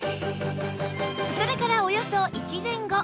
それからおよそ１年後